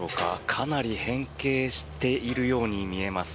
かなり変形しているように見えます。